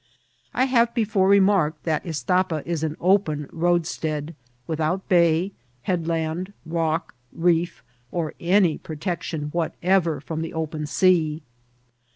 I have before remarked that Istapa is an open road stead, witfu>ut bay, headland, rock, reef, or any jHrotec tion whatever from the open sea.